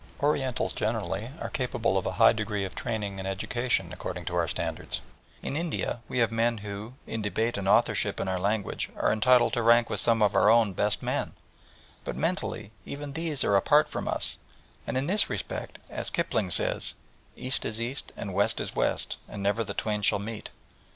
Orientals generally are capable of a high degree of education or training according to our standards: in India we have men who, in debate and authorship in our language, are entitled to rank with some of our own best men; but mentally even these are apart from us, and in this respect, as Kipling says, "East is East and West is West, and never the twain shall meet."